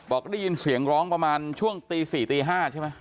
พอได้ยินเสียงร้องระหว่างช่วงตี๔๕ค่ะ